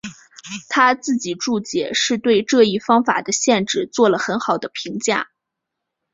他自己注解是对这一方法的限制做了很好的评价。